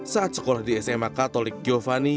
saat sekolah di sma katolik giovani